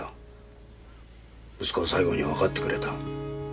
息子は最後にはわかってくれた。